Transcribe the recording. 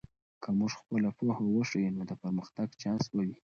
که موږ خپله پوهه وښیو، نو د پرمختګ چانس به وي.